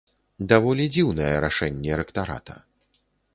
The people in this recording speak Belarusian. Даволі дзіўнае рашэнне рэктарата.